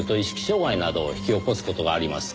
障害などを引き起こす事があります。